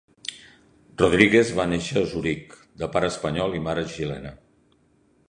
Rodríguez va néixer a Zuric de pare espanyol i mare xilena.